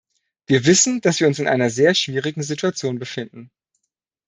Wir wissen, dass wir uns in einer sehr schwierigen Situation befinden.